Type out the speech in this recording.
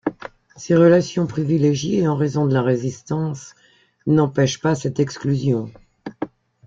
Ses relations privilégiées en raison de la Résistance n'empêchent pas cette exclusion.